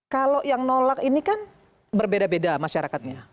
kalau yang nolak ini kan berbeda beda masyarakatnya